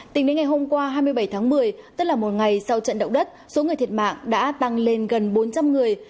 tính đến ngày hôm qua hai mươi bảy tháng một mươi tức là một ngày sau trận động đất số người thiệt mạng đã tăng lên gần bốn trăm linh người